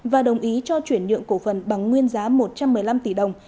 và đồng ý cho chuyển nhượng cổ phần bằng nguyên giá một trăm một mươi năm tỷ đồng